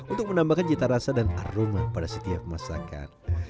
untuk menambahkan cita rasa dan aroma pada setiap masakan